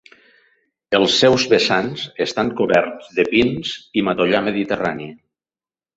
Els seus vessants estan coberts de pins i matollar mediterrani.